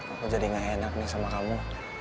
aku jadi gak enak nih sama kamu